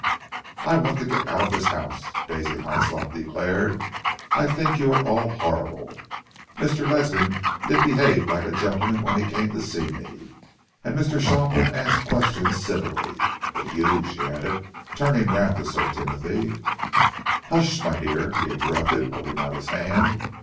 "I want to get out of this house," Daisy Hyslop declared. "I think you are all horrible. Mr. Ledsam did behave like a gentleman when he came to see me, and Mr. Shopland asked questions civilly. But you " she added, turning round to Sir Timothy. "Hush, my dear," he interrupted, holding out his hand.